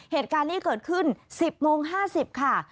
เหตุการณ์นี้เกิดขึ้น๑๐โมง๕๐ค่ะ